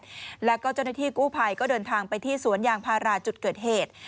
แล้วก็เจ้าหน้าที่กู้ภัยก็เดินทางไปที่สวนยางพาราจุดเกิดเหตุ